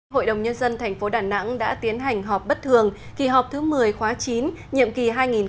hội đồng nhân dân tp đà nẵng đã tiến hành họp bất thường kỳ họp thứ một mươi khóa chín nhiệm kỳ hai nghìn một mươi sáu hai nghìn hai mươi một